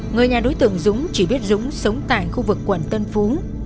người nhà đối tượng dũng chỉ biết dũng sống tại khu vực quận tân phú